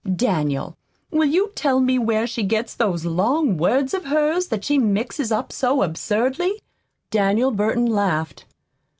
Daniel, will you tell me where she gets those long words of hers that she mixes up so absurdly?" Daniel Burton laughed.